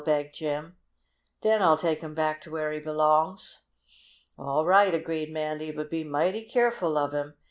begged Jim. "Den I'll take him back to where he belongs." "All right," agreed Mandy. "But be mighty keerful of him!